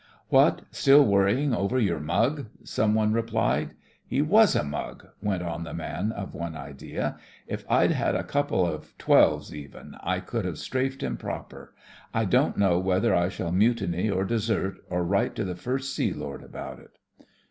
"What.'' Still worrying over your 'mug?'" some one replied. "He was a mug!" went on the man of one idea. "If I'd had a couple of twelves even, I could have strafed him proper. I don't know whether I shall mutiny, or desert, or write to the First Sea Lord about it."